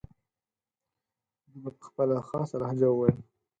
ده به په خپله خاصه لهجه وویل.